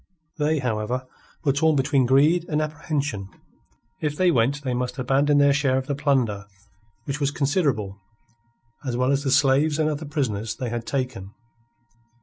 They, however, were torn between greed and apprehension. If they went they must abandon their share of the plunder, which was considerable, as well as the slaves and other prisoners they had taken.